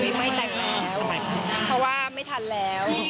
กดอย่างวัยจริงเห็นพี่แอนทองผสมเจ้าหญิงแห่งโมงการบันเทิงไทยวัยที่สุดค่ะ